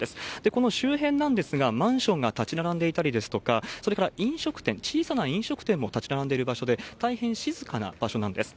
この周辺なんですが、マンションが建ち並んでいたりですとか、それから飲食店、小さな飲食店も建ち並んでいる場所で、大変静かな場所なんです。